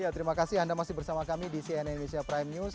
terima kasih anda masih bersama kami di cnn indonesia prime news